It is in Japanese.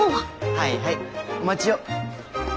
はいはいお待ちを。